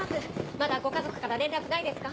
まだご家族から連絡ないですか？